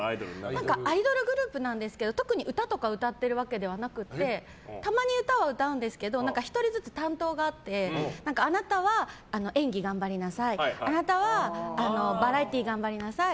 アイドルグループなんですが特に歌とか歌ってるわけではなくてたまに歌を歌うんですけど１人ずつ担当があってあなたは演技頑張りなさいあなたはバラエティー頑張りなさい